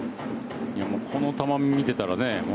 この球見てたらね。